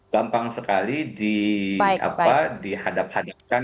gampang sekali dihadap hadapkan